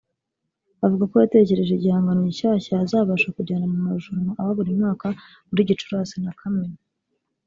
Avuga ko yatekereje igihangano gishyashya azabasha kujyana mu marushanwa aba buri mwaka muri Gicurasi na Kamena